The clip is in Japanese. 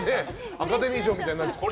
アカデミー賞みたくなっちゃった。